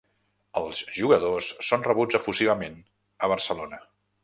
Els jugadors són rebuts efusivament a Barcelona.